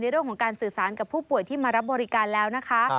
เรื่องของการสื่อสารกับผู้ป่วยที่มารับบริการแล้วนะคะ